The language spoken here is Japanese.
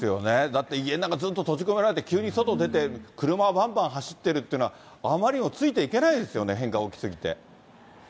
だって家の中、ずっと閉じ込められて、急に外出て、車ばんばん走ってるっていうのは、あまりにもついていけないですよね変化大きすぎて。